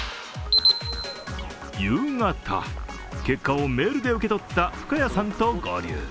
夕方、結果をメールで受け取った深谷さんと合流。